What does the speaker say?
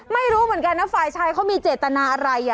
ไม่รู้เหมือนกันนะฝ่ายชายเขามีเจตนาอะไร